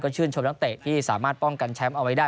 ชื่นชมนักเตะที่สามารถป้องกันแชมป์เอาไว้ได้